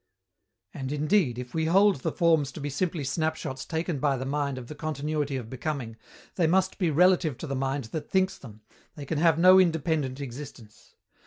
And indeed, if we hold the Forms to be simply snapshots taken by the mind of the continuity of becoming, they must be relative to the mind that thinks them, they can have no independent existence.